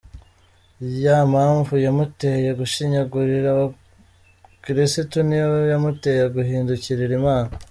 Ya mpamvu yamuteye gushinyagurira abakiristu niyo yamuteye guhindukirira Imana.